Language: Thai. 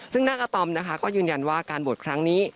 ซึ่งนางอาตอมนะคะก็ยืนยันว่าการบวชครั้งนี้